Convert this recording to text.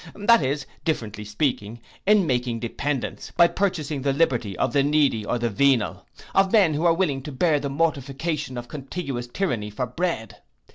That is, differently speaking, in making dependents, by purchasing the liberty of the needy or the venal, of men who are willing to bear the mortification of contiguous tyranny for bread.